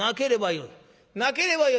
なければよい。